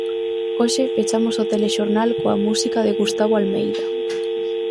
Hoxe pechamos o telexornal coa música de Gustavo Almeida.